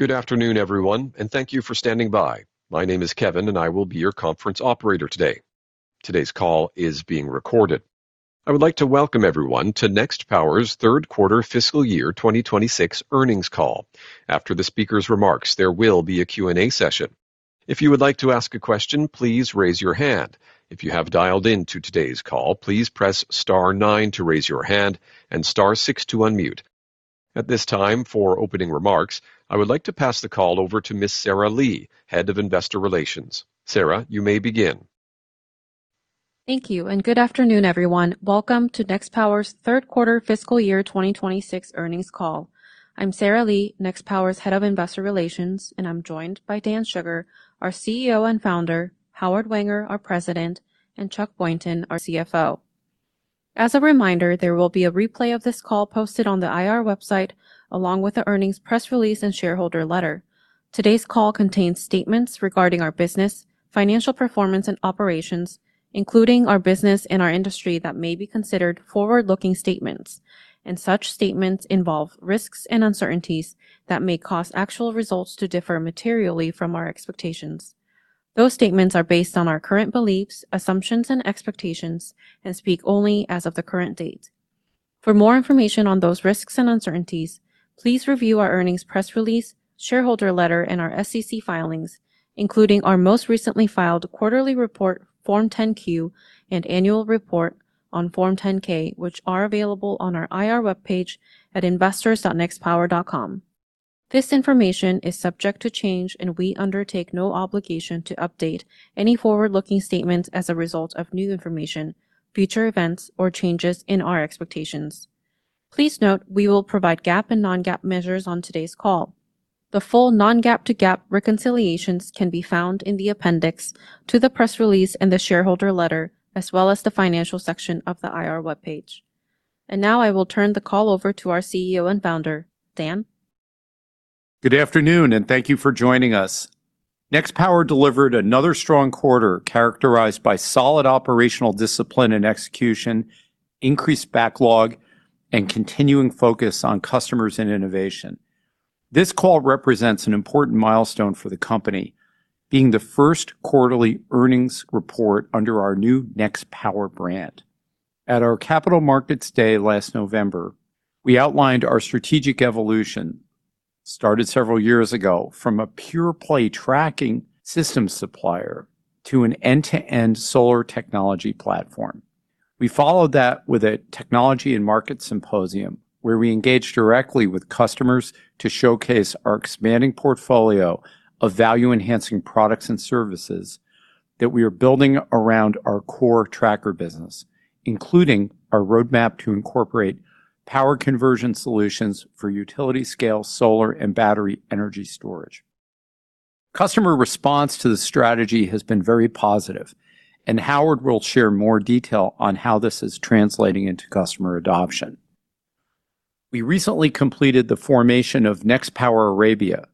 Good afternoon, everyone, and thank you for standing by. My name is Kevin, and I will be your conference operator today. Today's call is being recorded. I would like to welcome everyone to Nextpower's third quarter fiscal year 2026 earnings call. After the speaker's remarks, there will be a Q&A session. If you would like to ask a question, please raise your hand. If you have dialed into today's call, please press star nine to raise your hand and star six to unmute. At this time, for opening remarks, I would like to pass the call over to Ms. Sarah Lee, Head of Investor Relations. Sarah, you may begin. Thank you, and good afternoon, everyone. Welcome to Nextpower's third quarter fiscal year 2026 earnings call. I'm Sarah Lee, Nextpower's Head of Investor Relations, and I'm joined by Dan Shugar, our CEO and founder; Howard Wenger, our president; and Chuck Boynton, our CFO. As a reminder, there will be a replay of this call posted on the IR website, along with the earnings press release and shareholder letter. Today's call contains statements regarding our business, financial performance, and operations, including our business and our industry that may be considered forward-looking statements. Such statements involve risks and uncertainties that may cause actual results to differ materially from our expectations. Those statements are based on our current beliefs, assumptions, and expectations, and speak only as of the current date. For more information on those risks and uncertainties, please review our earnings press release, shareholder letter, and our SEC filings, including our most recently filed quarterly report, Form 10-Q, and annual report on Form 10-K, which are available on our IR web page at investors.nextpower.com. This information is subject to change, and we undertake no obligation to update any forward-looking statements as a result of new information, future events, or changes in our expectations. Please note we will provide GAAP and non-GAAP measures on today's call. The full non-GAAP to GAAP reconciliations can be found in the appendix to the press release and the shareholder letter, as well as the financial section of the IR web page. Now I will turn the call over to our CEO and founder, Dan. Good afternoon, and thank you for joining us. Nextpower delivered another strong quarter characterized by solid operational discipline and execution, increased backlog, and continuing focus on customers and innovation. This call represents an important milestone for the company, being the first quarterly earnings report under our new Nextpower brand. At our Capital Markets Day last November, we outlined our strategic evolution, started several years ago from a pure-play tracking systems supplier to an end-to-end solar technology platform. We followed that with a technology and market symposium, where we engaged directly with customers to showcase our expanding portfolio of value-enhancing products and services that we are building around our core tracker business, including our roadmap to incorporate power conversion solutions for utility-scale solar and battery energy storage. Customer response to the strategy has been very positive, and Howard will share more detail on how this is translating into customer adoption. We recently completed the formation of Nextpower Arabia,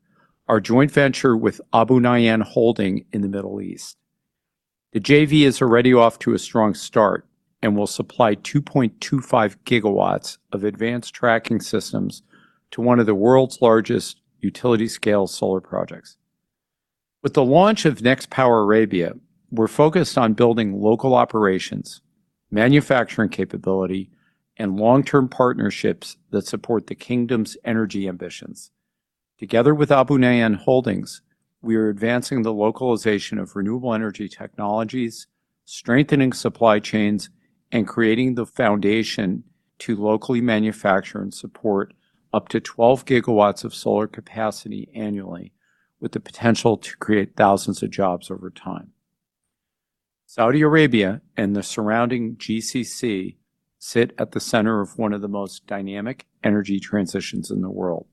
our joint venture with Abunayyan Holding in the Middle East. The JV is already off to a strong start and will supply 2.25 GW of advanced tracking systems to one of the world's largest utility-scale solar projects. With the launch of Nextpower Arabia, we're focused on building local operations, manufacturing capability, and long-term partnerships that support the kingdom's energy ambitions. Together with Abunayyan Holding, we are advancing the localization of renewable energy technologies, strengthening supply chains, and creating the foundation to locally manufacture and support up to 12 GW of solar capacity annually, with the potential to create thousands of jobs over time. Saudi Arabia and the surrounding GCC sit at the center of one of the most dynamic energy transitions in the world.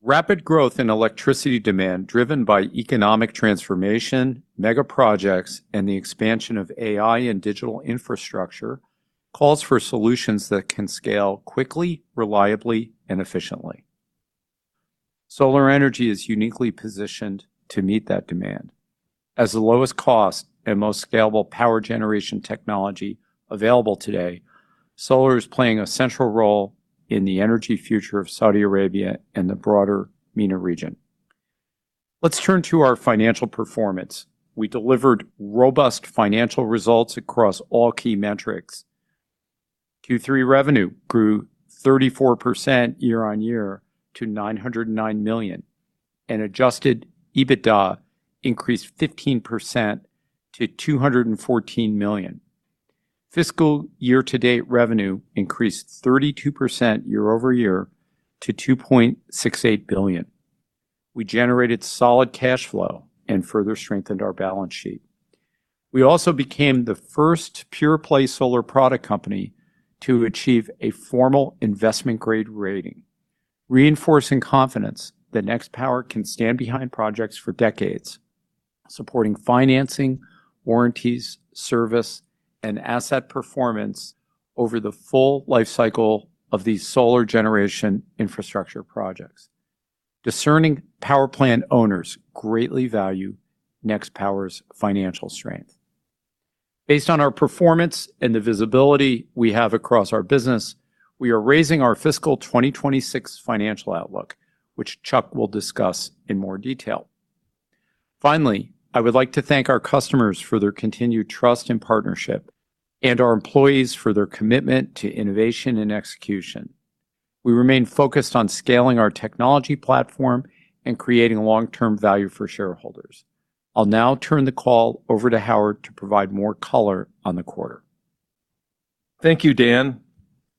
Rapid growth in electricity demand, driven by economic transformation, mega projects, and the expansion of AI and digital infrastructure, calls for solutions that can scale quickly, reliably, and efficiently. Solar energy is uniquely positioned to meet that demand. As the lowest cost and most scalable power generation technology available today, solar is playing a central role in the energy future of Saudi Arabia and the broader MENA region. Let's turn to our financial performance. We delivered robust financial results across all key metrics. Q3 revenue grew 34% year-over-year to $909 million, and adjusted EBITDA increased 15% to $214 million. Fiscal year-to-date revenue increased 32% year-over-year to $2.68 billion. We generated solid cash flow and further strengthened our balance sheet. We also became the first pure-play solar product company to achieve a formal investment-grade rating, reinforcing confidence that Nextpower can stand behind projects for decades, supporting financing, warranties, service, and asset performance over the full lifecycle of these solar generation infrastructure projects. Discerning power plant owners greatly value Nextpower's financial strength. Based on our performance and the visibility we have across our business, we are raising our fiscal 2026 financial outlook, which Chuck will discuss in more detail. Finally, I would like to thank our customers for their continued trust and partnership, and our employees for their commitment to innovation and execution. We remain focused on scaling our technology platform and creating long-term value for shareholders. I'll now turn the call over to Howard to provide more color on the quarter. Thank you, Dan.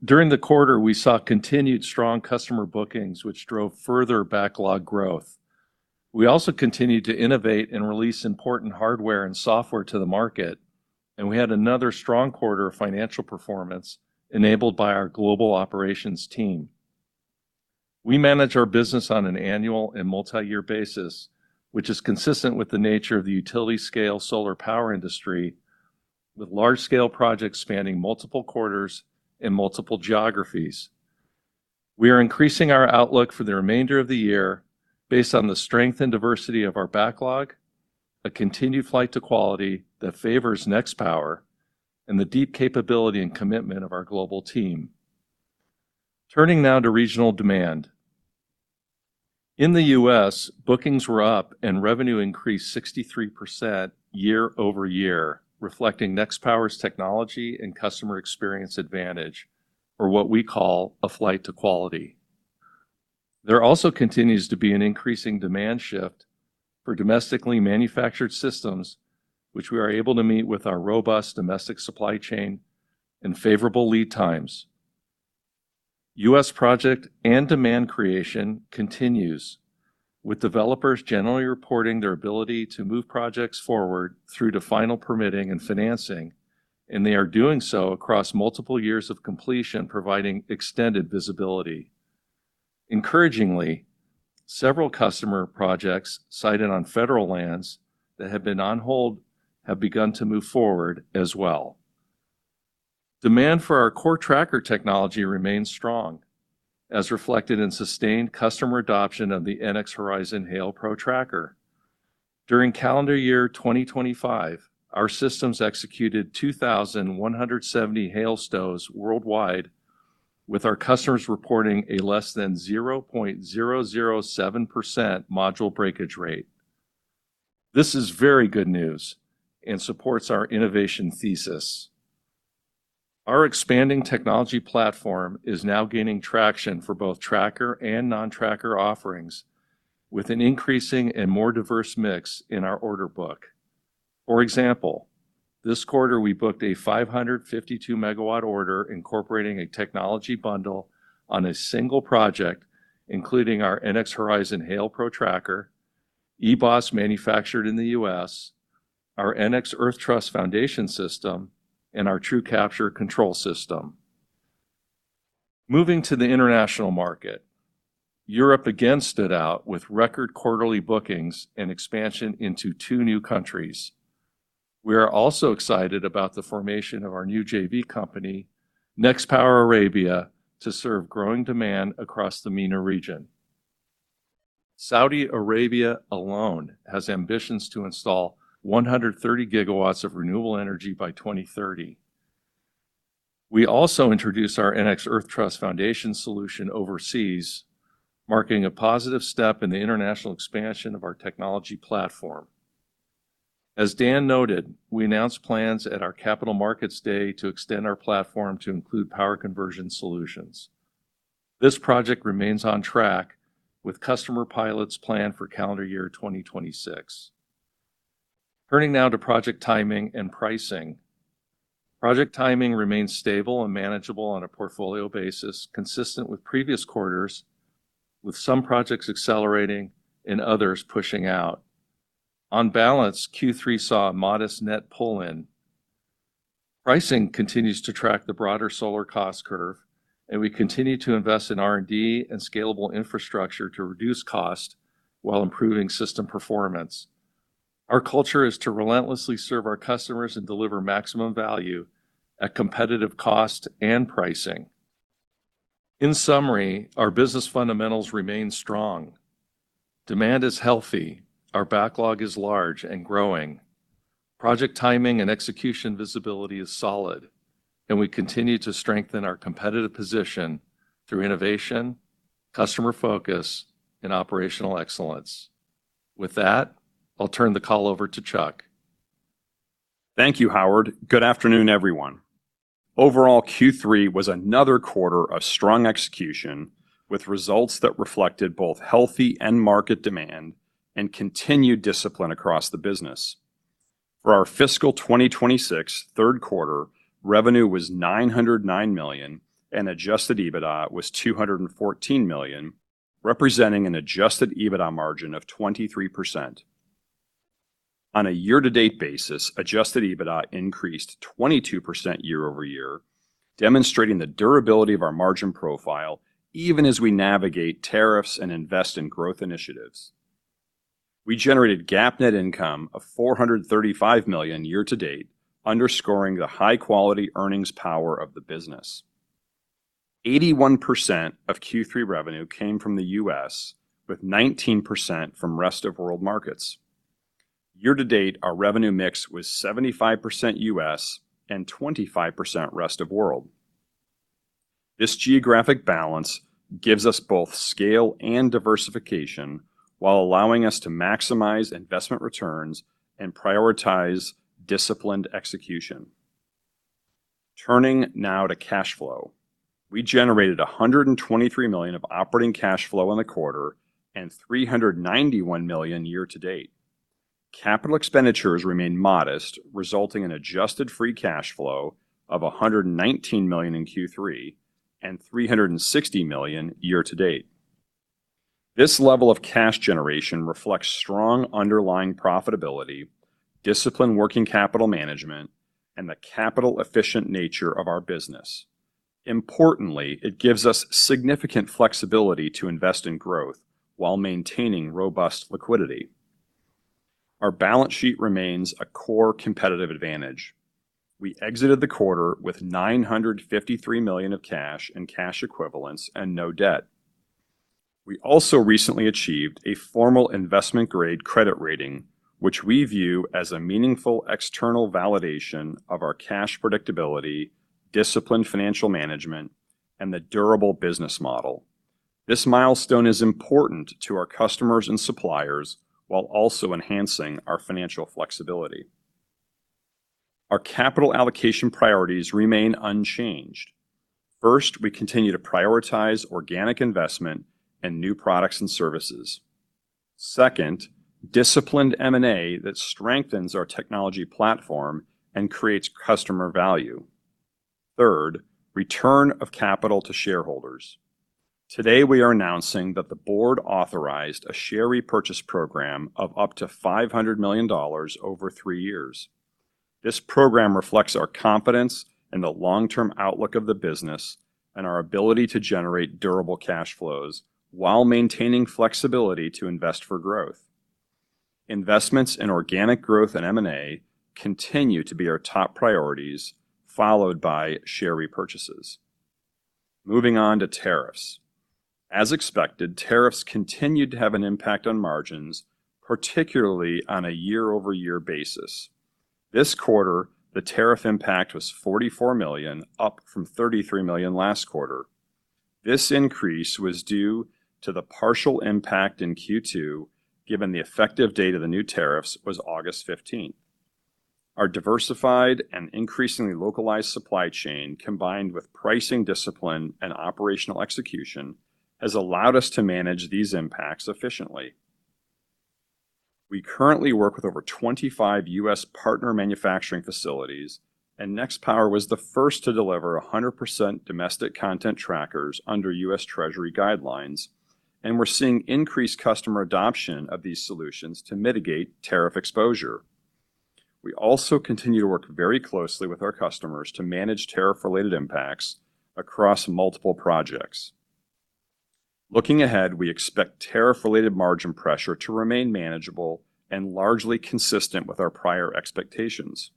During the quarter, we saw continued strong customer bookings, which drove further backlog growth. We also continued to innovate and release important hardware and software to the market, and we had another strong quarter of financial performance enabled by our global operations team. We manage our business on an annual and multi-year basis, which is consistent with the nature of the utility-scale solar power industry, with large-scale projects spanning multiple quarters and multiple geographies. We are increasing our outlook for the remainder of the year based on the strength and diversity of our backlog, a continued flight to quality that favors Nextpower, and the deep capability and commitment of our global team. Turning now to regional demand. In the U.S., bookings were up and revenue increased 63% year-over-year, reflecting Nextpower's technology and customer experience advantage, or what we call a flight to quality. There also continues to be an increasing demand shift for domestically manufactured systems, which we are able to meet with our robust domestic supply chain and favorable lead times. U.S. project and demand creation continues, with developers generally reporting their ability to move projects forward through to final permitting and financing, and they are doing so across multiple years of completion, providing extended visibility. Encouragingly, several customer projects sited on federal lands that have been on hold have begun to move forward as well. Demand for our core tracker technology remains strong, as reflected in sustained customer adoption of the NX Horizon Hail Pro tracker. During calendar year 2025, our systems executed 2,170 hail stows worldwide, with our customers reporting a less than 0.007% module breakage rate. This is very good news and supports our innovation thesis. Our expanding technology platform is now gaining traction for both tracker and non-tracker offerings, with an increasing and more diverse mix in our order book. For example, this quarter we booked a 552-MW order incorporating a technology bundle on a single project, including our NX Horizon Hail Pro tracker, eBOS manufactured in the U.S., our NX Earth Truss foundation system, and our TrueCapture control system. Moving to the international market, Europe again stood out with record quarterly bookings and expansion into two new countries. We are also excited about the formation of our new JV company, Nextpower Arabia, to serve growing demand across the MENA region. Saudi Arabia alone has ambitions to install 130 GW of renewable energy by 2030. We also introduced our NX Earth Truss foundation solution overseas, marking a positive step in the international expansion of our technology platform. As Dan noted, we announced plans at our Capital Markets Day to extend our platform to include power conversion solutions. This project remains on track, with customer pilots planned for calendar year 2026. Turning now to project timing and pricing. Project timing remains stable and manageable on a portfolio basis, consistent with previous quarters, with some projects accelerating and others pushing out. On balance, Q3 saw a modest net pull-in. Pricing continues to track the broader solar cost curve, and we continue to invest in R&D and scalable infrastructure to reduce costs while improving system performance. Our culture is to relentlessly serve our customers and deliver maximum value at competitive cost and pricing. In summary, our business fundamentals remain strong. Demand is healthy. Our backlog is large and growing. Project timing and execution visibility is solid, and we continue to strengthen our competitive position through innovation, customer focus, and operational excellence. With that, I'll turn the call over to Chuck. Thank you, Howard. Good afternoon, everyone. Overall, Q3 was another quarter of strong execution, with results that reflected both healthy end market demand and continued discipline across the business. For our fiscal 2026 third quarter, revenue was $909 million, and adjusted EBITDA was $214 million, representing an adjusted EBITDA margin of 23%. On a year-to-date basis, adjusted EBITDA increased 22% year-over-year, demonstrating the durability of our margin profile even as we navigate tariffs and invest in growth initiatives. We generated GAAP net income of $435 million year-to-date, underscoring the high-quality earnings power of the business. 81% of Q3 revenue came from the U.S., with 19% from rest of world markets. Year-to-date, our revenue mix was 75% U.S. and 25% rest of world. This geographic balance gives us both scale and diversification while allowing us to maximize investment returns and prioritize disciplined execution. Turning now to cash flow. We generated $123 million of operating cash flow in the quarter and $391 million year-to-date. Capital expenditures remained modest, resulting in adjusted free cash flow of $119 million in Q3 and $360 million year-to-date. This level of cash generation reflects strong underlying profitability, disciplined working capital management, and the capital-efficient nature of our business. Importantly, it gives us significant flexibility to invest in growth while maintaining robust liquidity. Our balance sheet remains a core competitive advantage. We exited the quarter with $953 million of cash and cash equivalents and no debt. We also recently achieved a formal investment-grade credit rating, which we view as a meaningful external validation of our cash predictability, disciplined financial management, and the durable business model. This milestone is important to our customers and suppliers while also enhancing our financial flexibility. Our capital allocation priorities remain unchanged. First, we continue to prioritize organic investment and new products and services. Second, disciplined M&A that strengthens our technology platform and creates customer value. Third, return of capital to shareholders. Today, we are announcing that the board authorized a share repurchase program of up to $500 million over three years. This program reflects our confidence in the long-term outlook of the business and our ability to generate durable cash flows while maintaining flexibility to invest for growth. Investments in organic growth and M&A continue to be our top priorities, followed by share repurchases. Moving on to tariffs. As expected, tariffs continued to have an impact on margins, particularly on a year-over-year basis. This quarter, the tariff impact was $44 million, up from $33 million last quarter. This increase was due to the partial impact in Q2, given the effective date of the new tariffs was August 15. Our diversified and increasingly localized supply chain, combined with pricing discipline and operational execution, has allowed us to manage these impacts efficiently. We currently work with over 25 U.S. partner manufacturing facilities, and Nextpower was the first to deliver 100% domestic content trackers under U.S. Treasury guidelines, and we're seeing increased customer adoption of these solutions to mitigate tariff exposure. We also continue to work very closely with our customers to manage tariff-related impacts across multiple projects. Looking ahead, we expect tariff-related margin pressure to remain manageable and largely consistent with our prior expectations.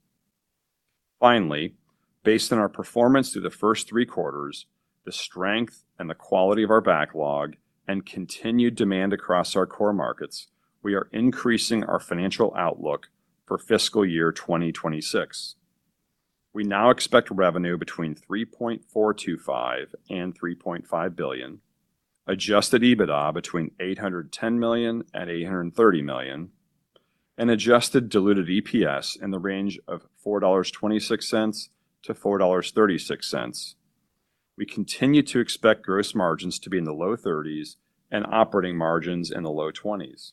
Finally, based on our performance through the first three quarters, the strength and the quality of our backlog, and continued demand across our core markets, we are increasing our financial outlook for fiscal year 2026. We now expect revenue between $3.425 and $3.5 billion, adjusted EBITDA between $810 million and $830 million, and adjusted diluted EPS in the range of $4.26 to $4.36. We continue to expect gross margins to be in the low 30s and operating margins in the low 20s.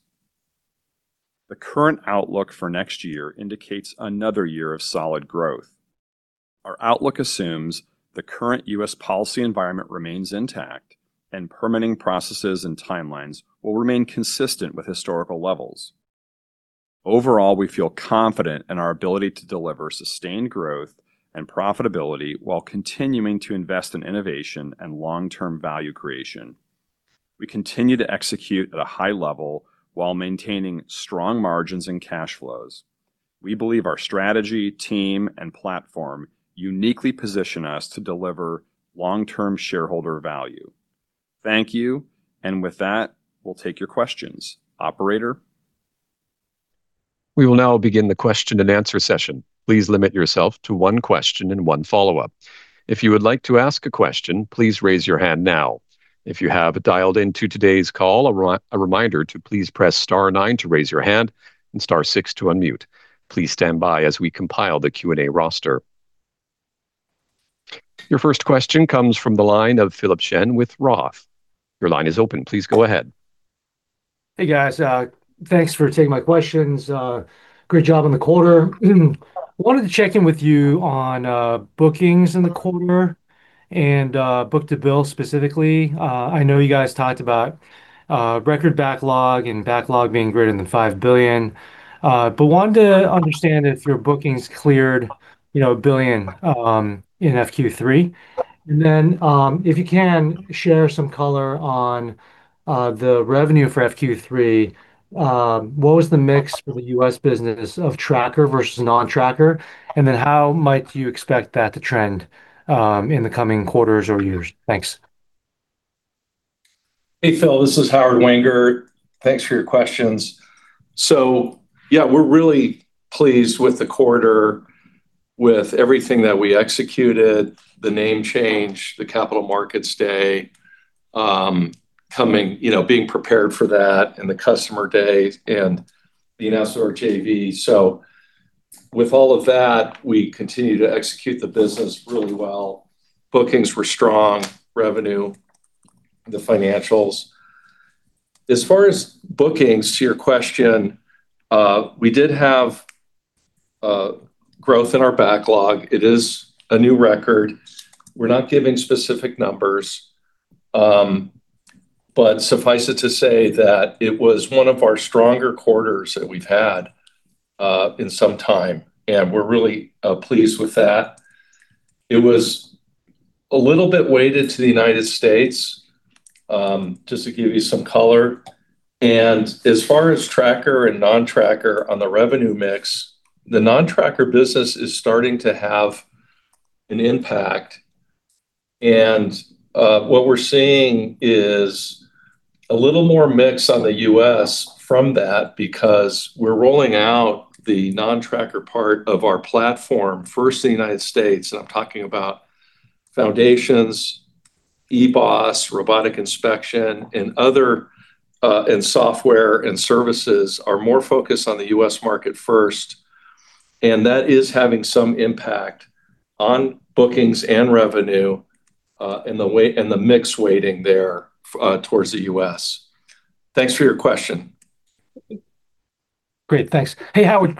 The current outlook for next year indicates another year of solid growth. Our outlook assumes the current U.S. policy environment remains intact, and permitting processes and timelines will remain consistent with historical levels. Overall, we feel confident in our ability to deliver sustained growth and profitability while continuing to invest in innovation and long-term value creation. We continue to execute at a high level while maintaining strong margins and cash flows. We believe our strategy, team, and platform uniquely position us to deliver long-term shareholder value. Thank you, and with that, we'll take your questions. Operator. We will now begin the question and answer session. Please limit yourself to one question and one follow-up. If you would like to ask a question, please raise your hand now. If you have dialed into today's call, a reminder to please press star nine to raise your hand and star six to unmute. Please stand by as we compile the Q&A roster. Your first question comes from the line of Philip Shen with Roth. Your line is open. Please go ahead. Hey, guys. Thanks for taking my questions. Great job on the quarter. Wanted to check in with you on bookings in the quarter and book-to-bill specifically. I know you guys talked about record backlog and backlog being greater than $5 billion, but wanted to understand if your bookings cleared $1 billion in FQ3. And then if you can share some color on the revenue for FQ3, what was the mix for the U.S. business of tracker versus non-tracker, and then how might you expect that to trend in the coming quarters or years? Thanks. Hey, Phil. This is Howard Wenger. Thanks for your questions. So yeah, we're really pleased with the quarter with everything that we executed, the name change, the Capital Markets Day, being prepared for that, and the Customer Day and the announced JV. So with all of that, we continue to execute the business really well. Bookings were strong, revenue, the financials. As far as bookings, to your question, we did have growth in our backlog. It is a new record. We're not giving specific numbers, but suffice it to say that it was one of our stronger quarters that we've had in some time, and we're really pleased with that. It was a little bit weighted to the United States just to give you some color. And as far as tracker and non-tracker on the revenue mix, the non-tracker business is starting to have an impact. What we're seeing is a little more mix on the U.S. from that because we're rolling out the non-tracker part of our platform first in the United States. I'm talking about foundations, eBOS, robotic inspection, and software and services are more focused on the U.S. market first. That is having some impact on bookings and revenue and the mix weighting there towards the U.S. Thanks for your question. Great. Thanks. Hey, Howard,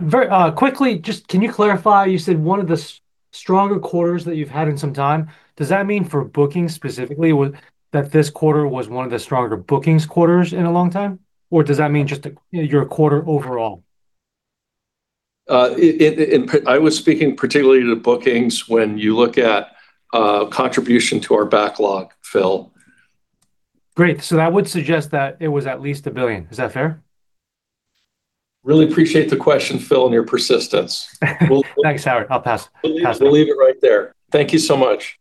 quickly, just can you clarify? You said one of the stronger quarters that you've had in some time. Does that mean for bookings specifically that this quarter was one of the stronger bookings quarters in a long time? Or does that mean just your quarter overall? I was speaking particularly to bookings when you look at contribution to our backlog, Phil. Great. So that would suggest that it was at least $1 billion. Is that fair? Really appreciate the question, Phil, and your persistence. Thanks, Howard. I'll pass. We'll leave it right there. Thank you so much.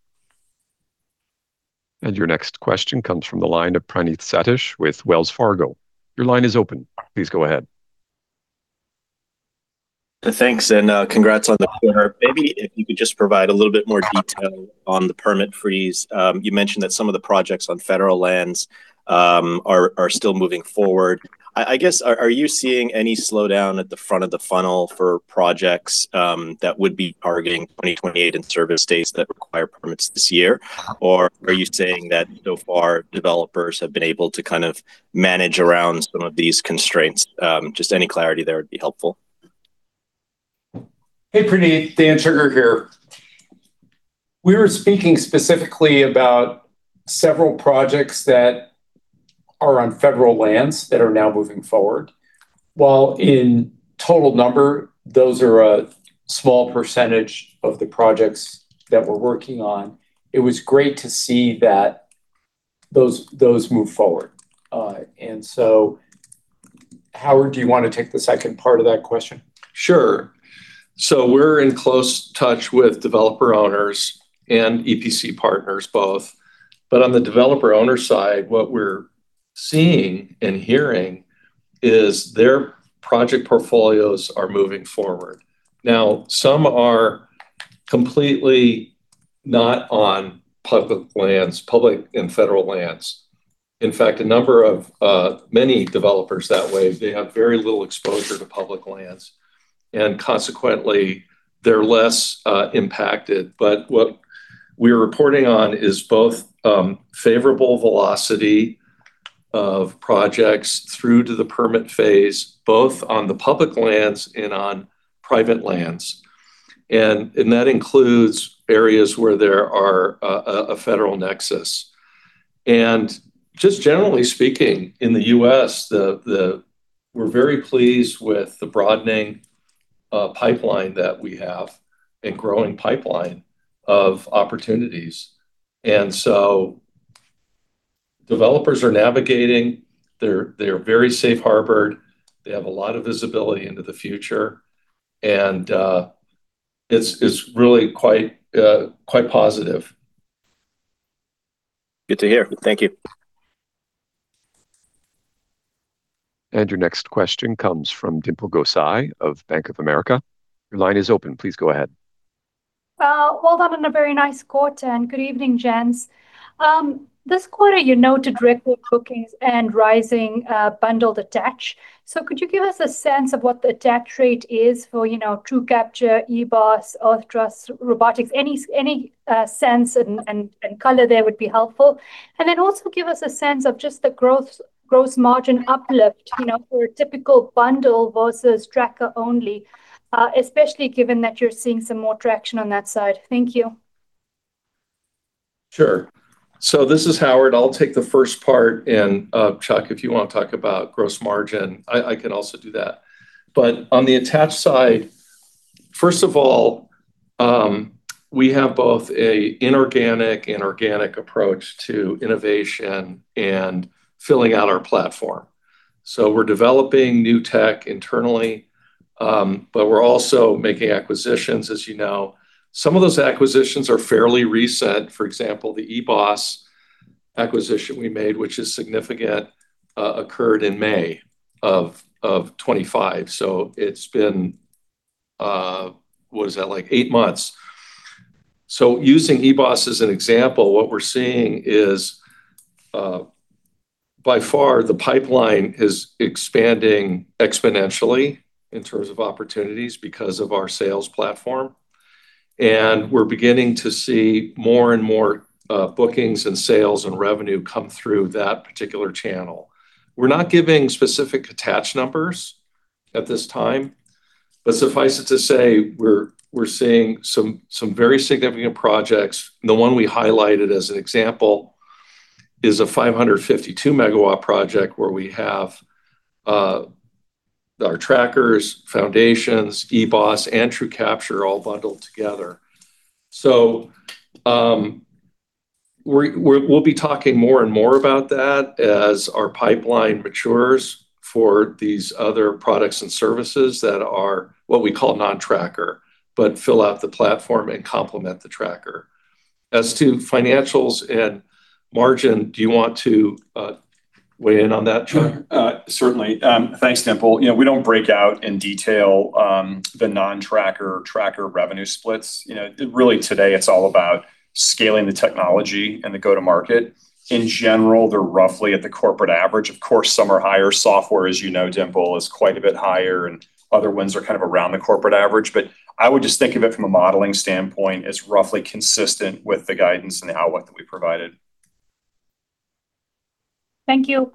Your next question comes from the line of Praneeth Satish with Wells Fargo. Your line is open. Please go ahead. Thanks. Congrats on the quarter. Maybe if you could just provide a little bit more detail on the permit freeze. You mentioned that some of the projects on federal lands are still moving forward. I guess, are you seeing any slowdown at the front of the funnel for projects that would be targeting 2028 in-service dates that require permits this year? Or are you saying that so far developers have been able to kind of manage around some of these constraints? Just any clarity there would be helpful. Hey, Praneeth, Dan Shugar here. We were speaking specifically about several projects that are on federal lands that are now moving forward. While in total number, those are a small percentage of the projects that we're working on, it was great to see that those move forward. And so, Howard, do you want to take the second part of that question? Sure. So we're in close touch with developer owners and EPC partners both. But on the developer owner side, what we're seeing and hearing is their project portfolios are moving forward. Now, some are completely not on public lands, public and federal lands. In fact, a number of many developers that way, they have very little exposure to public lands. And consequently, they're less impacted. But what we're reporting on is both favorable velocity of projects through to the permit phase, both on the public lands and on private lands. And that includes areas where there are a federal nexus. And just generally speaking, in the U.S., we're very pleased with the broadening pipeline that we have and growing pipeline of opportunities. And so developers are navigating. They're very safe harbored. They have a lot of visibility into the future. And it's really quite positive. Good to hear. Thank you. Your next question comes from Dimple Gosai of Bank of America. Your line is open. Please go ahead. Well, well done on a very nice quarter. Good evening, gents. This quarter, you noted record bookings and rising bundled attach. So could you give us a sense of what the attach rate is for TrueCapture, eBOS, NX Earth Truss, robotics? Any sense and color there would be helpful. And then also give us a sense of just the gross margin uplift for a typical bundle versus tracker only, especially given that you're seeing some more traction on that side. Thank you. Sure. So this is Howard. I'll take the first part. And Chuck, if you want to talk about gross margin, I can also do that. But on the attach side, first of all, we have both an inorganic and organic approach to innovation and filling out our platform. So we're developing new tech internally, but we're also making acquisitions, as you know. Some of those acquisitions are fairly recent. For example, the eBOS acquisition we made, which is significant, occurred in May of 2025. So it's been, what is that, like eight months. So using eBOS as an example, what we're seeing is by far the pipeline is expanding exponentially in terms of opportunities because of our sales platform. And we're beginning to see more and more bookings and sales and revenue come through that particular channel. We're not giving specific attach numbers at this time, but suffice it to say, we're seeing some very significant projects. The one we highlighted as an example is a 552 MW project where we have our trackers, foundations, eBOS, and TrueCapture all bundled together. So we'll be talking more and more about that as our pipeline matures for these other products and services that are what we call non-tracker, but fill out the platform and complement the tracker. As to financials and margin, do you want to weigh in on that, Chuck? Certainly. Thanks, Dimple. We don't break out in detail the non-tracker tracker revenue splits. Really, today, it's all about scaling the technology and the go-to-market. In general, they're roughly at the corporate average. Of course, some are higher. Software, as you know, Dimple, is quite a bit higher, and other ones are kind of around the corporate average. But I would just think of it from a modeling standpoint as roughly consistent with the guidance and the outlook that we provided. Thank you.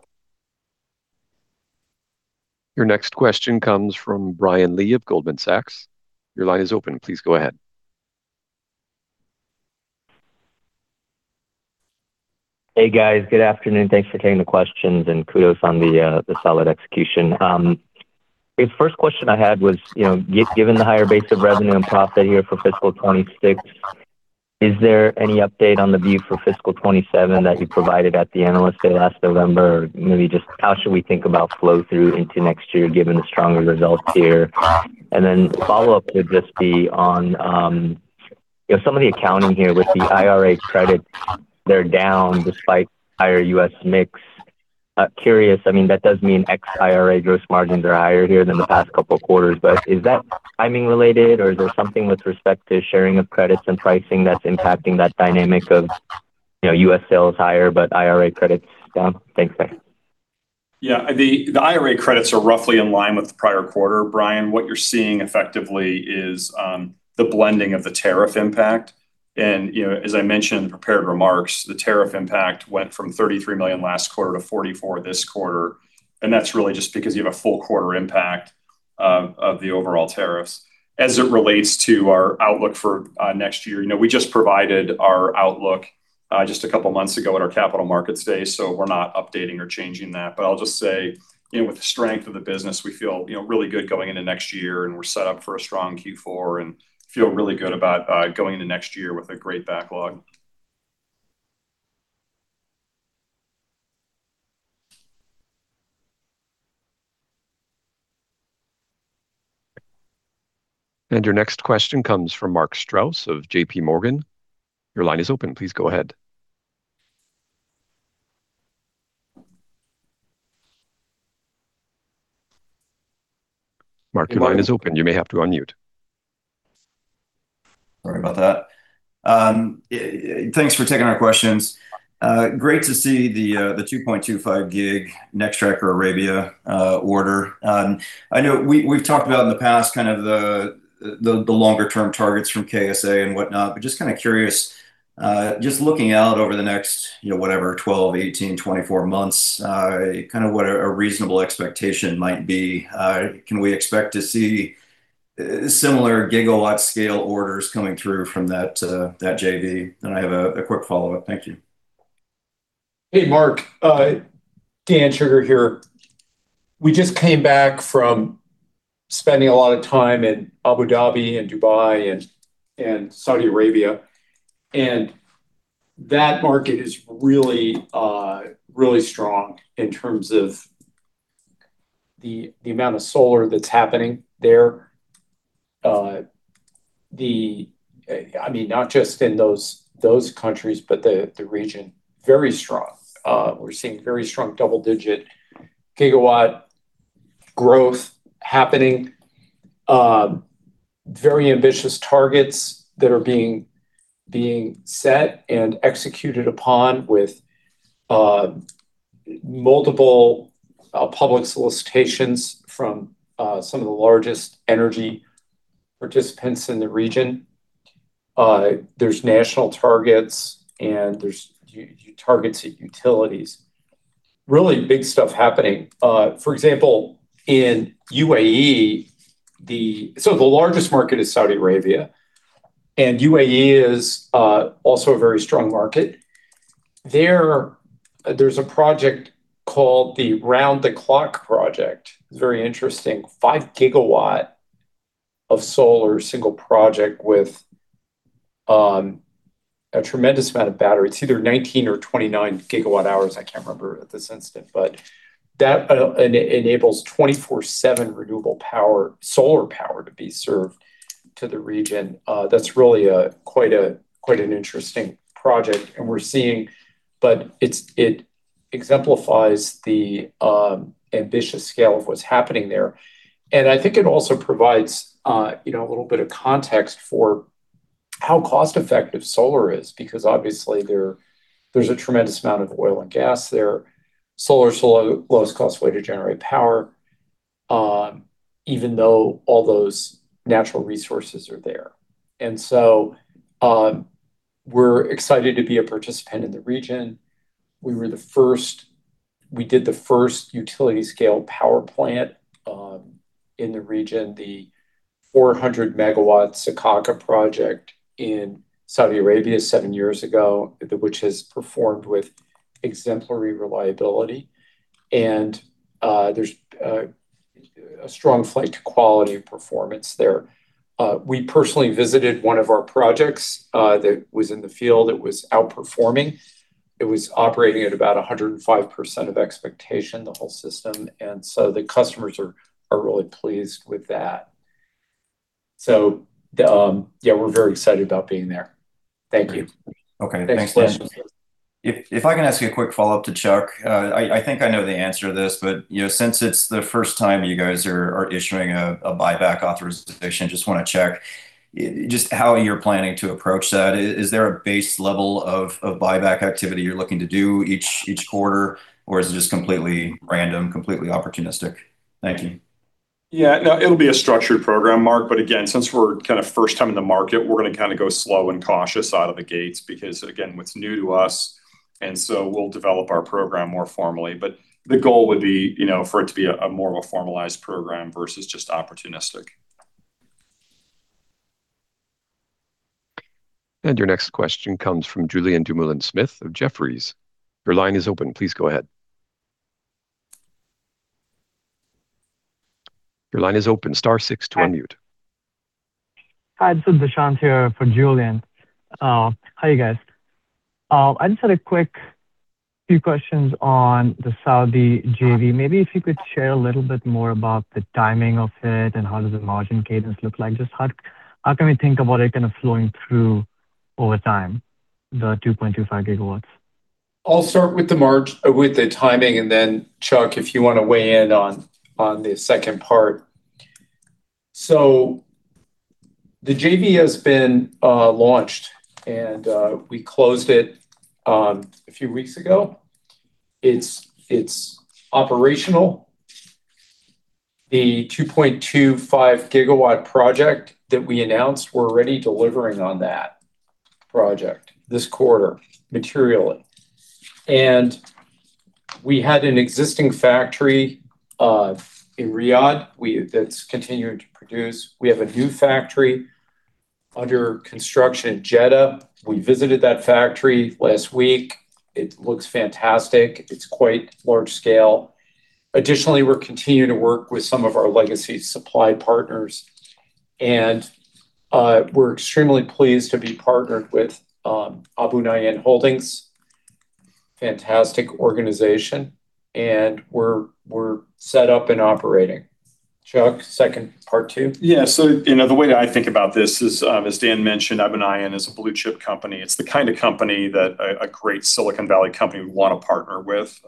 Your next question comes from Brian Lee of Goldman Sachs. Your line is open. Please go ahead. Hey, guys. Good afternoon. Thanks for taking the questions and kudos on the solid execution. The first question I had was, given the higher base of revenue and profit here for fiscal 2026, is there any update on the view for fiscal 2027 that you provided at the analyst day last November? Maybe just how should we think about flow through into next year given the stronger results here? And then follow-up would just be on some of the accounting here with the IRA credits. They're down despite higher U.S. mix. Curious, I mean, that does mean ex-IRA gross margins are higher here than the past couple of quarters, but is that timing related, or is there something with respect to sharing of credits and pricing that's impacting that dynamic of U.S. sales higher, but IRA credits down? Thanks, guys. Yeah. The IRA credits are roughly in line with the prior quarter. Brian, what you're seeing effectively is the blending of the tariff impact. As I mentioned in the prepared remarks, the tariff impact went from $33 million last quarter to $44 million this quarter. That's really just because you have a full quarter impact of the overall tariffs. As it relates to our outlook for next year, we just provided our outlook just a couple of months ago at our Capital Markets Day. We're not updating or changing that. I'll just say, with the strength of the business, we feel really good going into next year, and we're set up for a strong Q4 and feel really good about going into next year with a great backlog. Your next question comes from Mark Strouse of JPMorgan. Your line is open. Please go ahead. Mark, your line is open. You may have to unmute. Sorry about that. Thanks for taking our questions. Great to see the 2.25 GW Nextpower Arabia order. I know we've talked about in the past kind of the longer-term targets from KSA and whatnot, but just kind of curious, just looking out over the next, whatever, 12, 18, 24 months, kind of what a reasonable expectation might be. Can we expect to see similar gigawatt-scale orders coming through from that JV? And I have a quick follow-up. Thank you. Hey, Mark. Dan Shugar here. We just came back from spending a lot of time in Abu Dhabi and Dubai and Saudi Arabia. And that market is really, really strong in terms of the amount of solar that's happening there. I mean, not just in those countries, but the region, very strong. We're seeing very strong double-digit gigawatt growth happening. Very ambitious targets that are being set and executed upon with multiple public solicitations from some of the largest energy participants in the region. There's national targets, and there's targets at utilities. Really big stuff happening. For example, in UAE, so the largest market is Saudi Arabia. And UAE is also a very strong market. There's a project called the Round-the-Clock project. It's very interesting. 5 GW of solar single project with a tremendous amount of battery. It's either 19 or 29 GWh. I can't remember at this instance, but that enables 24/7 renewable solar power to be served to the region. That's really quite an interesting project. And we're seeing, but it exemplifies the ambitious scale of what's happening there. And I think it also provides a little bit of context for how cost-effective solar is because, obviously, there's a tremendous amount of oil and gas there. Solar is the lowest cost way to generate power, even though all those natural resources are there. And so we're excited to be a participant in the region. We did the first utility-scale power plant in the region, the 400-MW Sakaka project in Saudi Arabia seven years ago, which has performed with exemplary reliability. And there's a strong flight to quality performance there. We personally visited one of our projects that was in the field. It was outperforming. It was operating at about 105% of expectation, the whole system. And so the customers are really pleased with that. So, yeah, we're very excited about being there. Thank you. Okay. Thanks, guys. If I can ask you a quick follow-up to Chuck, I think I know the answer to this, but since it's the first time you guys are issuing a buyback authorization, I just want to check just how you're planning to approach that. Is there a base level of buyback activity you're looking to do each quarter, or is it just completely random, completely opportunistic? Thank you. Yeah. No, it'll be a structured program, Mark. But again, since we're kind of first time in the market, we're going to kind of go slow and cautious out of the gates because, again, what's new to us. And so we'll develop our program more formally. But the goal would be for it to be more of a formalized program versus just opportunistic. Your next question comes from Julien Dumoulin-Smith of Jefferies. Your line is open. Please go ahead. Your line is open. Star six to unmute. Hi. This is Chantal for Julien. Hi, you guys. I just had a quick few questions on the Saudi JV. Maybe if you could share a little bit more about the timing of it and how does the margin cadence look like. Just how can we think about it kind of flowing through over time, the 2.25 GW? I'll start with the timing, and then Chuck, if you want to weigh in on the second part. So the JV has been launched, and we closed it a few weeks ago. It's operational. The 2.25 GW project that we announced, we're already delivering on that project this quarter materially. We had an existing factory in Riyadh that's continuing to produce. We have a new factory under construction at Jeddah. We visited that factory last week. It looks fantastic. It's quite large scale. Additionally, we're continuing to work with some of our legacy supply partners. We're extremely pleased to be partnered with Abunayyan Holding, fantastic organization. We're set up and operating. Chuck, second part too? Yeah. So the way I think about this is, as Dan mentioned, Abunayyan is a blue-chip company. It's the kind of company that a great Silicon Valley company would want to partner with.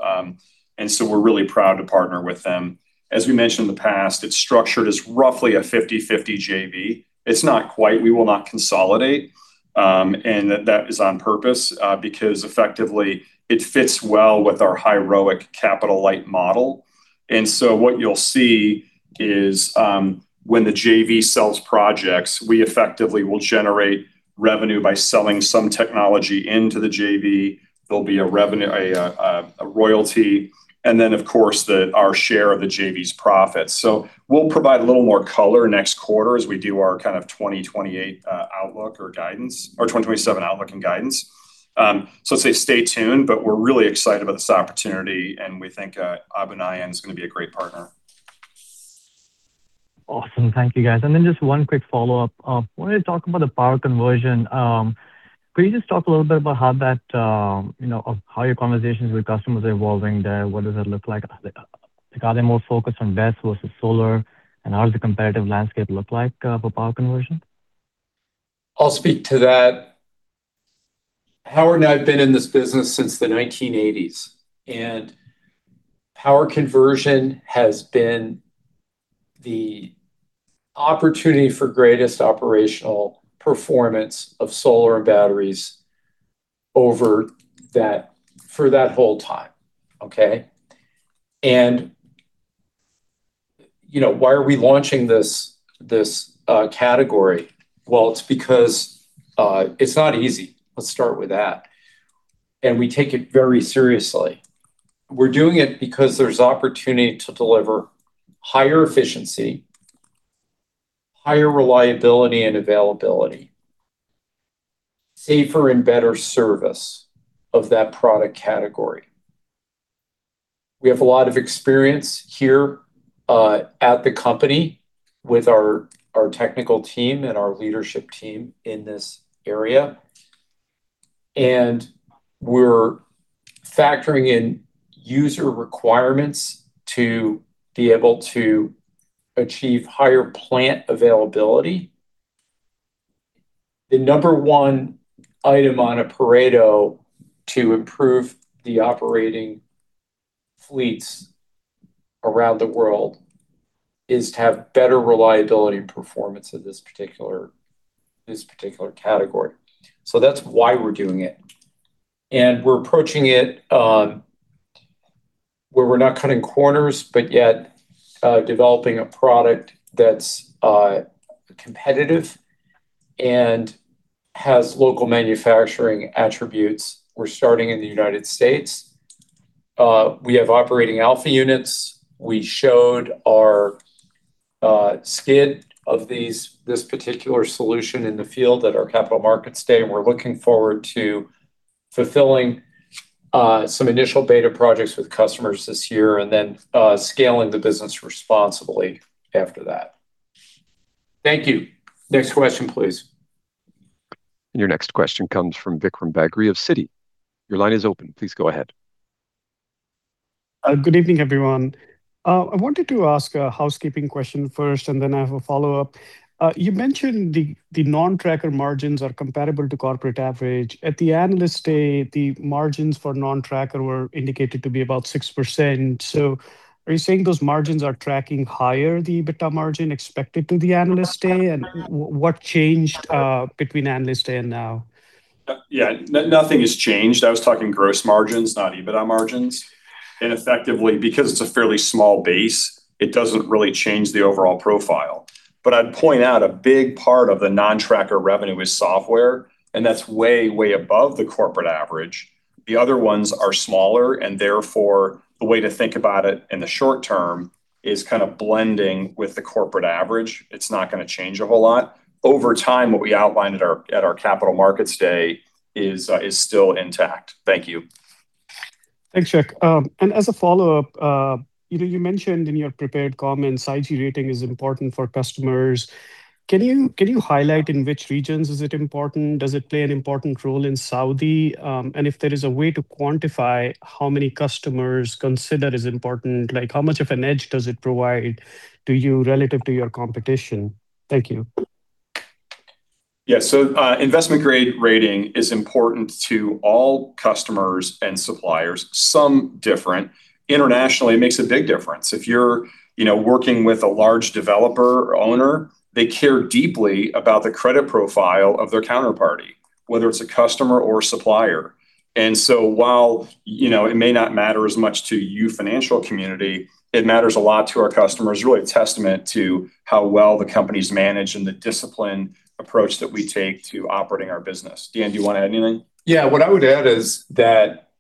And so we're really proud to partner with them. As we mentioned in the past, it's structured as roughly a 50/50 JV. It's not quite. We will not consolidate. And that is on purpose because, effectively, it fits well with our historic capital-light model. And so what you'll see is when the JV sells projects, we effectively will generate revenue by selling some technology into the JV. There'll be a royalty. And then, of course, our share of the JV's profits. So we'll provide a little more color next quarter as we do our kind of 2027 outlook and guidance. So stay tuned, but we're really excited about this opportunity, and we think Abunayyan is going to be a great partner. Awesome. Thank you, guys. Then just one quick follow-up. When we talk about the power conversion, could you just talk a little bit about how your conversations with customers are evolving there? What does that look like? Are they more focused on gas versus solar? And how does the competitive landscape look like for power conversion? I'll speak to that. Howard and I have been in this business since the 1980s. And power conversion has been the opportunity for greatest operational performance of solar and batteries for that whole time. Okay? And why are we launching this category? Well, it's because it's not easy. Let's start with that. And we take it very seriously. We're doing it because there's opportunity to deliver higher efficiency, higher reliability and availability, safer and better service of that product category. We have a lot of experience here at the company with our technical team and our leadership team in this area. And we're factoring in user requirements to be able to achieve higher plant availability. The number one item on the radar to improve the operating fleets around the world is to have better reliability and performance of this particular category. So that's why we're doing it. We're approaching it where we're not cutting corners, but yet developing a product that's competitive and has local manufacturing attributes. We're starting in the United States. We have operating alpha units. We showed our skid of this particular solution in the field at our Capital Markets Day, and we're looking forward to fulfilling some initial beta projects with customers this year and then scaling the business responsibly after that. Thank you. Next question, please. Your next question comes from Vikram Bagri of Citi. Your line is open. Please go ahead. Good evening, everyone. I wanted to ask a housekeeping question first, and then I have a follow-up. You mentioned the non-tracker margins are comparable to corporate average. At the Analyst Day, the margins for non-tracker were indicated to be about 6%. So are you saying those margins are tracking higher, the EBITDA margin expected to the Analyst Day? And what changed between Analyst Day and now? Yeah. Nothing has changed. I was talking gross margins, not EBITDA margins. And effectively, because it's a fairly small base, it doesn't really change the overall profile. But I'd point out a big part of the non-tracker revenue is software, and that's way, way above the corporate average. The other ones are smaller, and therefore, the way to think about it in the short term is kind of blending with the corporate average. It's not going to change a whole lot. Over time, what we outlined at our Capital Markets Day is still intact. Thank you. Thanks, Chuck. And as a follow-up, you mentioned in your prepared comments, IG rating is important for customers. Can you highlight in which regions is it important? Does it play an important role in Saudi? And if there is a way to quantify how many customers consider it as important, how much of an edge does it provide to you relative to your competition? Thank you. Yeah. So investment grade rating is important to all customers and suppliers, some different. Internationally, it makes a big difference. If you're working with a large developer or owner, they care deeply about the credit profile of their counterparty, whether it's a customer or a supplier. And so while it may not matter as much to you, financial community, it matters a lot to our customers. It's really a testament to how well the company's managed and the disciplined approach that we take to operating our business. Dan, do you want to add anything? Yeah. What I would add is that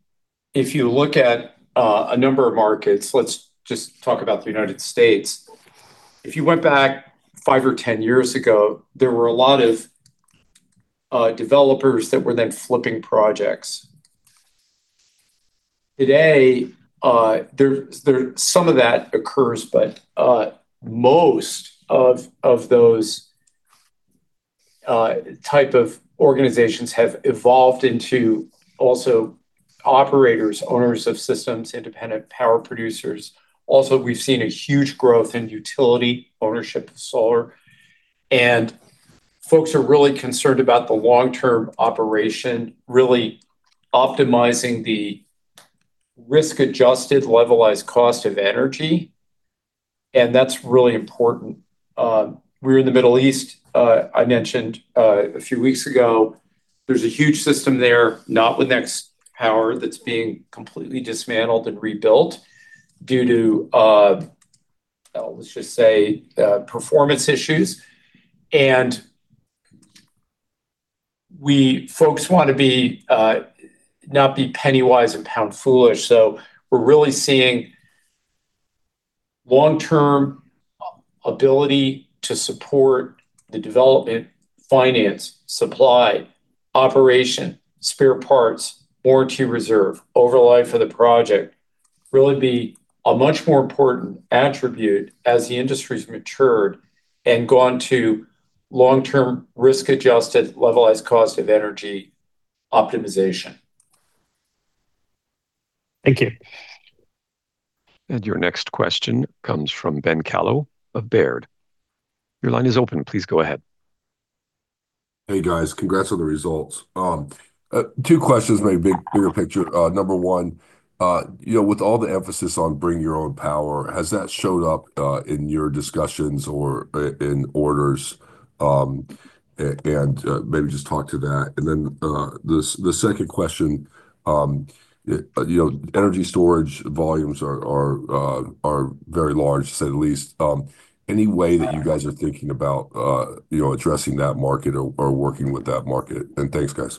if you look at a number of markets, let's just talk about the United States. If you went back five or 10 years ago, there were a lot of developers that were then flipping projects. Today, some of that occurs, but most of those types of organizations have evolved into also operators, owners of systems, independent power producers. Also, we've seen a huge growth in utility ownership of solar. And folks are really concerned about the long-term operation, really optimizing the risk-adjusted, levelized cost of energy. And that's really important. We're in the Middle East. I mentioned a few weeks ago, there's a huge system there, not with Nextpower, that's being completely dismantled and rebuilt due to, let's just say, performance issues. And folks want to not be penny-wise and pound-foolish. We're really seeing long-term ability to support the development, finance, supply, operation, spare parts, warranty reserve, overlay for the project really be a much more important attribute as the industry's matured and gone to long-term risk-adjusted, Levelized Cost of Energy optimization. Thank you. Your next question comes from Ben Kallo of Baird. Your line is open. Please go ahead. Hey, guys. Congrats on the results. Two questions, maybe bigger picture. Number one, with all the emphasis on bring your own power, has that showed up in your discussions or in orders? And maybe just talk to that. And then the second question, energy storage volumes are very large, to say the least. Any way that you guys are thinking about addressing that market or working with that market? And thanks, guys.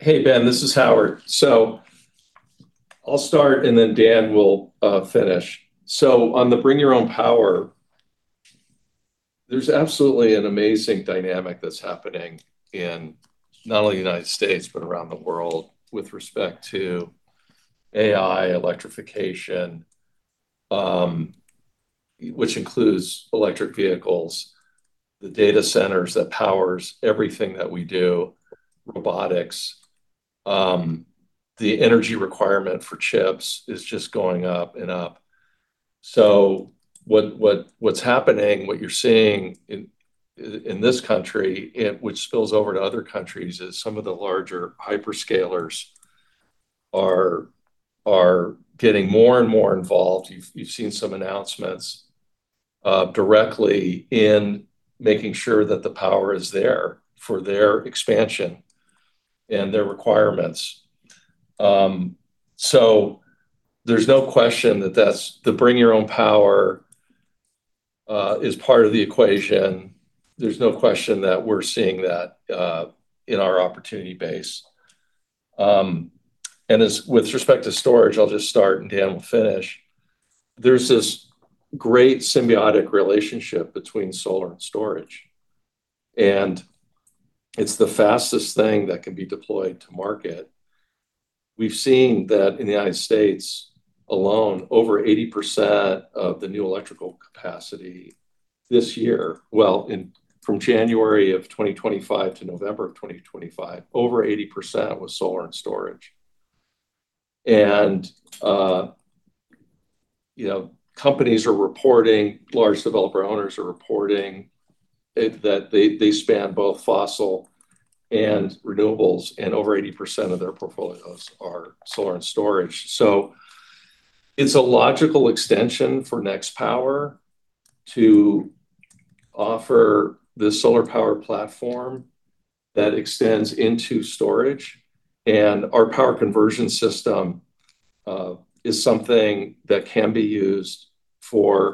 Hey, Ben. This is Howard. So I'll start, and then Dan will finish. So on the bring your own power, there's absolutely an amazing dynamic that's happening in not only the United States, but around the world with respect to AI, electrification, which includes electric vehicles, the data centers that powers everything that we do, robotics. The energy requirement for chips is just going up and up. So what's happening, what you're seeing in this country, which spills over to other countries, is some of the larger hyperscalers are getting more and more involved. You've seen some announcements directly in making sure that the power is there for their expansion and their requirements. So there's no question that the bring your own power is part of the equation. There's no question that we're seeing that in our opportunity base. With respect to storage, I'll just start, and Dan will finish. There's this great symbiotic relationship between solar and storage. It's the fastest thing that can be deployed to market. We've seen that in the United States alone, over 80% of the new electrical capacity this year, well, from January of 2025 to November of 2025, over 80% was solar and storage. Companies are reporting, large developer owners are reporting that they span both fossil and renewables, and over 80% of their portfolios are solar and storage. So it's a logical extension for Nextpower to offer this solar power platform that extends into storage. Our power conversion system is something that can be used in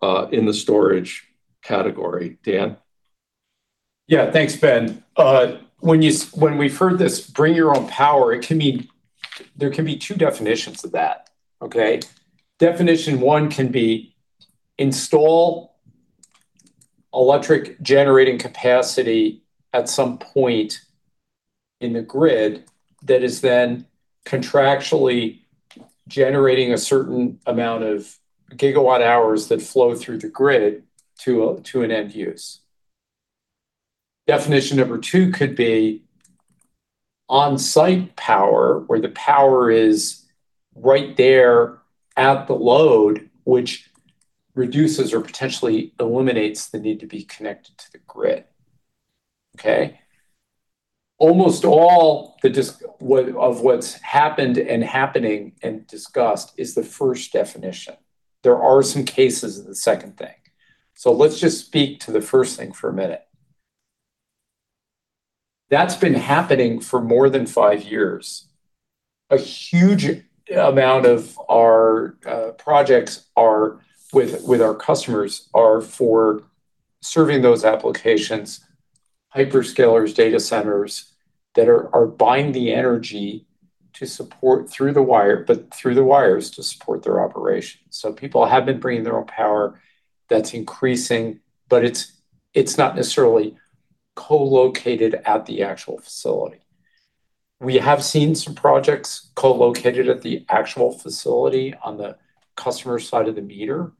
the storage category. Dan? Yeah. Thanks, Ben. When we've heard this bring your own power, it can mean there can be two definitions of that. Okay? Definition one can be install electric generating capacity at some point in the grid that is then contractually generating a certain amount of gigawatt-hours that flow through the grid to an end use. Definition number two could be on-site power where the power is right there at the load, which reduces or potentially eliminates the need to be connected to the grid. Okay? Almost all of what's happened and happening and discussed is the first definition. There are some cases of the second thing. So let's just speak to the first thing for a minute. That's been happening for more than five years. A huge amount of our projects with our customers are for serving those applications, hyperscalers, data centers that are buying the energy to support through the wire, but through the wires to support their operations. So people have been bringing their own power. That's increasing, but it's not necessarily co-located at the actual facility. We have seen some projects co-located at the actual facility on the customer side of the meter.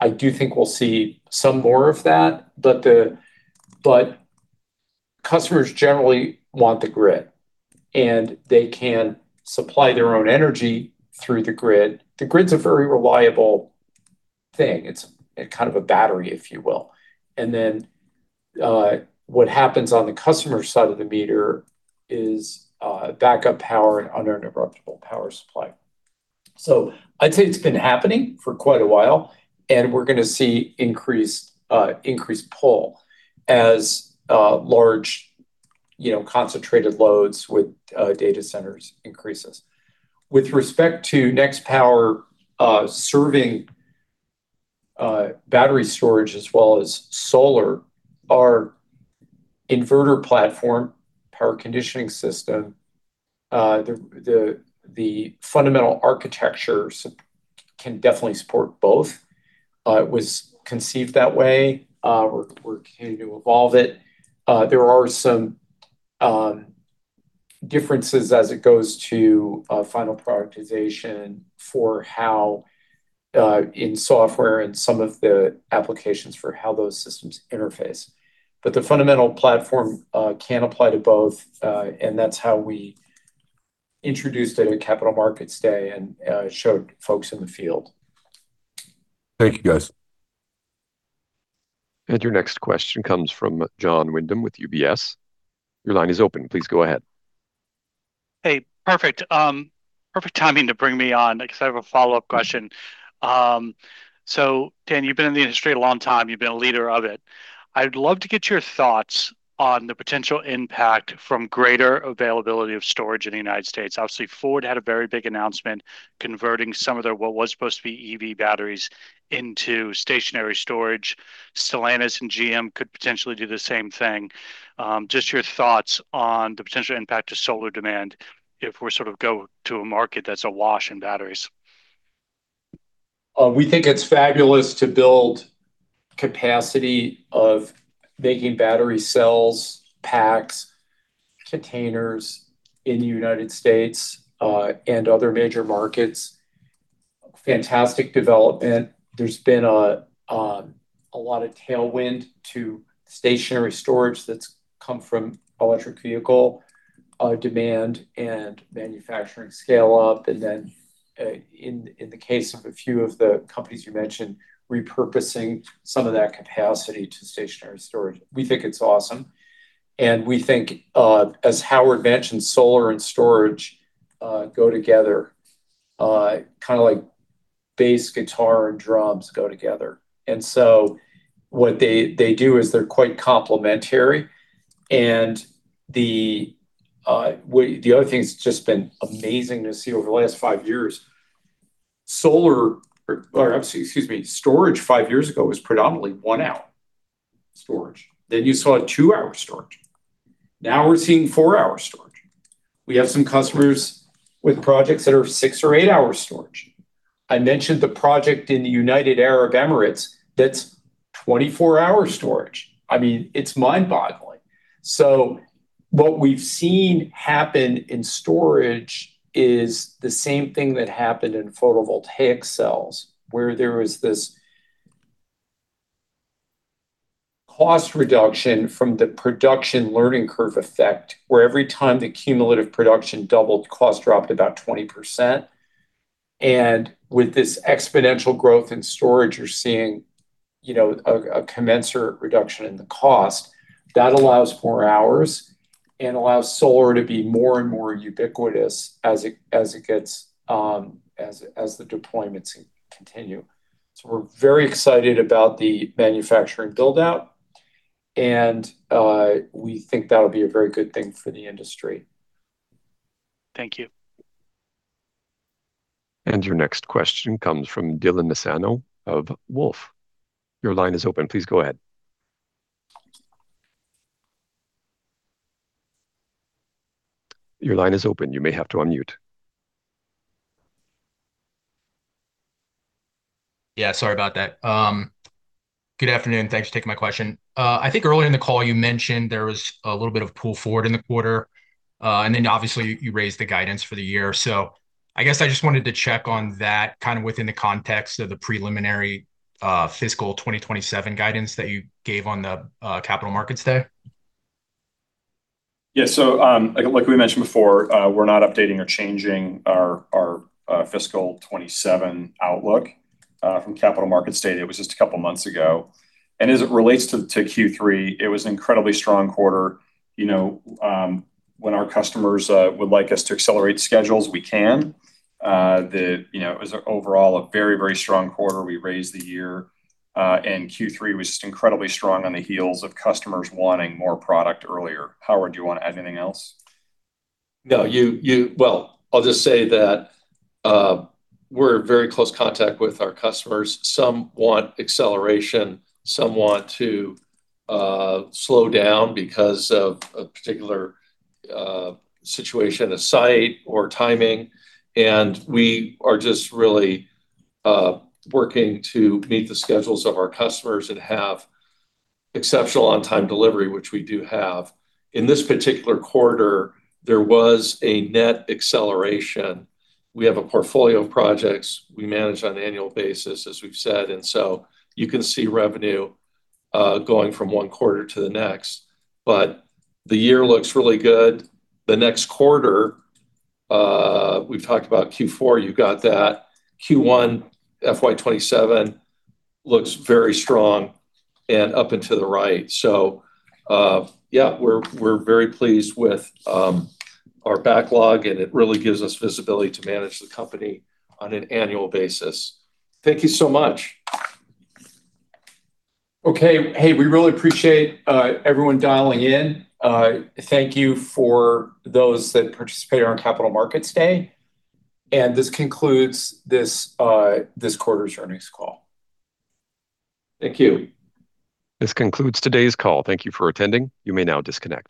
I do think we'll see some more of that, but customers generally want the grid. And they can supply their own energy through the grid. The grid's a very reliable thing. It's kind of a battery, if you will. And then what happens on the customer side of the meter is backup power and uninterruptible power supply. So I'd say it's been happening for quite a while, and we're going to see increased pull as large concentrated loads with data centers increases. With respect to Nextpower serving battery storage as well as solar, our inverter platform, power conditioning system, the fundamental architecture can definitely support both. It was conceived that way. We're continuing to evolve it. There are some differences as it goes to final productization for how in software and some of the applications for how those systems interface. But the fundamental platform can apply to both, and that's how we introduced it at Capital Markets Day and showed folks in the field. Thank you, guys. Your next question comes from Jon Windham with UBS. Your line is open. Please go ahead. Hey. Perfect. Perfect timing to bring me on because I have a follow-up question. So Dan, you've been in the industry a long time. You've been a leader of it. I'd love to get your thoughts on the potential impact from greater availability of storage in the United States. Obviously, Ford had a very big announcement converting some of their what was supposed to be EV batteries into stationary storage. Stellantis and GM could potentially do the same thing. Just your thoughts on the potential impact of solar demand if we're sort of going to a market that's awash in batteries. We think it's fabulous to build capacity of making battery cells, packs, containers in the United States and other major markets. Fantastic development. There's been a lot of tailwind to stationary storage that's come from electric vehicle demand and manufacturing scale-up. And then in the case of a few of the companies you mentioned, repurposing some of that capacity to stationary storage. We think it's awesome. And we think, as Howard mentioned, solar and storage go together, kind of like bass, guitar, and drums go together. And so what they do is they're quite complementary. And the other thing that's just been amazing to see over the last five years, solar or, excuse me, storage five years ago was predominantly one-hour storage. Then you saw two-hour storage. Now we're seeing four-hour storage. We have some customers with projects that are six or eight-hour storage. I mentioned the project in the United Arab Emirates that's 24-hour storage. I mean, it's mind-boggling. So what we've seen happen in storage is the same thing that happened in photovoltaic cells, where there was this cost reduction from the production learning curve effect, where every time the cumulative production doubled, cost dropped about 20%. And with this exponential growth in storage, you're seeing a commensurate reduction in the cost. That allows more hours and allows solar to be more and more ubiquitous as the deployments continue. So we're very excited about the manufacturing build-out. And we think that'll be a very good thing for the industry. Thank you. Your next question comes from Dylan Nassano of Wolfe. Your line is open. Please go ahead. Your line is open. You may have to unmute. Yeah. Sorry about that. Good afternoon. Thanks for taking my question. I think earlier in the call, you mentioned there was a little bit of a pull forward in the quarter. And then obviously, you raised the guidance for the year. So I guess I just wanted to check on that kind of within the context of the preliminary fiscal 2027 guidance that you gave on the Capital Markets Day. Yeah. So like we mentioned before, we're not updating or changing our fiscal 2027 outlook from Capital Markets Day. It was just a couple of months ago. And as it relates to Q3, it was an incredibly strong quarter. When our customers would like us to accelerate schedules, we can. It was overall a very, very strong quarter. We raised the year. And Q3 was just incredibly strong on the heels of customers wanting more product earlier. Howard, do you want to add anything else? No. Well, I'll just say that we're in very close contact with our customers. Some want acceleration. Some want to slow down because of a particular situation of site or timing. And we are just really working to meet the schedules of our customers and have exceptional on-time delivery, which we do have. In this particular quarter, there was a net acceleration. We have a portfolio of projects we manage on an annual basis, as we've said. And so you can see revenue going from one quarter to the next. But the year looks really good. The next quarter, we've talked about Q4. You've got that. Q1 FY 2027 looks very strong and up and to the right. So yeah, we're very pleased with our backlog, and it really gives us visibility to manage the company on an annual basis. Thank you so much. Okay. Hey, we really appreciate everyone dialing in. Thank you for those that participated on Capital Markets Day. This concludes this quarter's earnings call. Thank you. This concludes today's call. Thank you for attending. You may now disconnect.